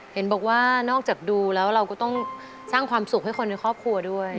เห็นบอกว่านอกจากดูแล้วเราก็ต้องสร้างความสุขให้คนในครอบครัวด้วย